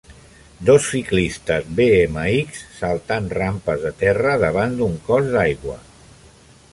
Dos ciclistes BMX saltant rampes de terra davant d'un cos d'aigua.